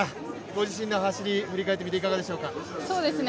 ご自身の走り、振り返ってみて、いかがですか？